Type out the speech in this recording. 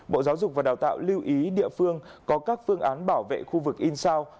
bộ giáo dục và đào tạo lưu ý địa phương có các phương án bảo vệ khu vực in sao